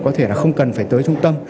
có thể không cần phải tới trung tâm